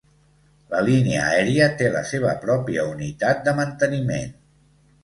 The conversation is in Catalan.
La línia aèria té la seva pròpia unitat de manteniment.